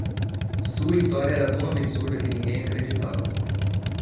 Sua história era tão absurda que ninguém acreditava.